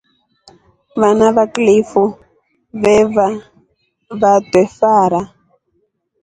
Vana va kilifu veeva vatwe fara.